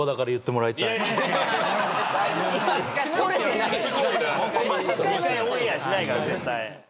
２回オンエアしないから絶対。